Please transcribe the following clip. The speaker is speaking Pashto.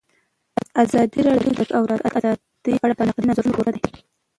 ازادي راډیو د د تګ راتګ ازادي په اړه د نقدي نظرونو کوربه وه.